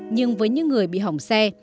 nhưng với những người bị hỏng xe